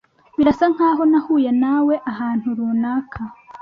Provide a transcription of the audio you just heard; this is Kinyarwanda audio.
Birasa nkaho nahuye nawe ahantu runaka.